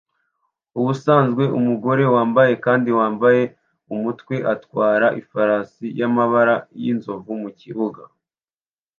Ubusanzwe umugore wambaye kandi wambaye umutwe atwara ifarashi y'amabara y'inzovu mukibuga